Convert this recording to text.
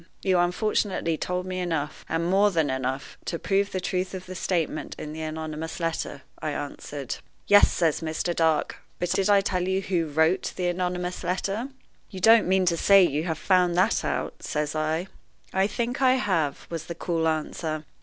"You unfortunately told me enough, and more than enough, to prove the truth of the statement in the anonymous letter," I answered. "Yes," says Mr. Dark, "but did I tell you who wrote the anonymous letter?" "You don't mean to say that you have found that out!" says I. "I think I have," was the cool answer.